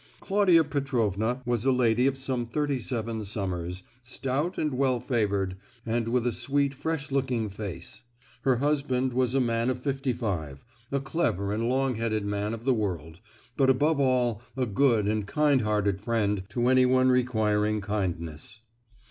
Claudia Petrovna was a lady of some thirty seven summers, stout and well favoured, and with a sweet fresh looking face. Her husband was a man of fifty five, a clever and long headed man of the world, but above all, a good and kind hearted friend to anyone requiring kindness.